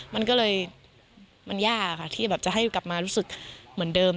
มันก็เลยมันยากค่ะที่แบบจะให้กลับมารู้สึกเหมือนเดิม